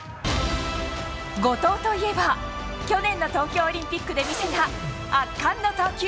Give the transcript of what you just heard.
後藤といえば、去年の東京オリンピックで見せた圧巻の投球。